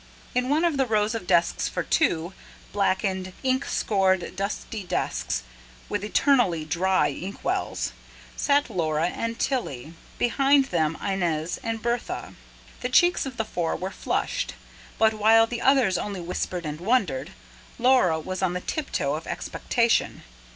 In one of the rows of desks for two blackened, ink scored, dusty desks, with eternally dry ink wells sat Laura and Tilly, behind them Inez and Bertha. The cheeks of the four were flushed. But, while the others only whispered and wondered, Laura was on the tiptoe of expectation.